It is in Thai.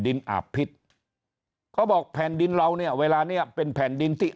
อาบพิษเขาบอกแผ่นดินเราเนี่ยเวลาเนี้ยเป็นแผ่นดินที่